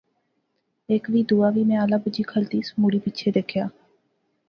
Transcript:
ہیک وی، دوہا وی، میں آلا بجی کھلتیس، مڑی پیچھے دیکھیا